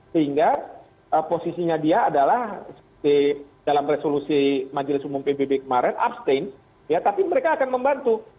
sehingga posisinya dia adalah dalam resolusi majelis umum pbb kemarin abstain ya tapi mereka akan membantu